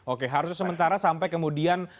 oke harusnya sementara sampai kemudian